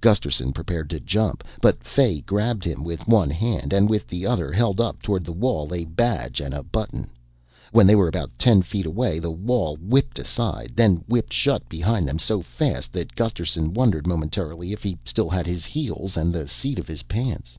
Gusterson prepared to jump, but Fay grabbed him with one hand and with the other held up toward the wall a badge and a button. When they were about ten feet away the wall whipped aside, then whipped shut behind them so fast that Gusterson wondered momentarily if he still had his heels and the seat of his pants.